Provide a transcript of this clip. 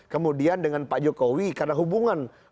kemudian dengan pak jokowi karena hubungan